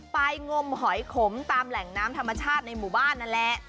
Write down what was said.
งมหอยขมตามแหล่งน้ำธรรมชาติในหมู่บ้านนั่นแหละ